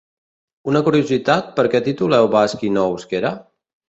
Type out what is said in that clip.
Una curiositat perquè tituleu basc i no euskera?